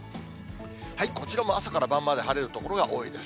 こちらも朝から晩まで晴れる所が多いです。